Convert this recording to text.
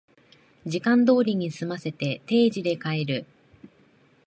時間通りに済ませて定時で帰る